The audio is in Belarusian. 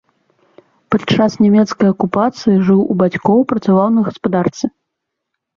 Падчас нямецкай акупацыі жыў у бацькоў, працаваў на гаспадарцы.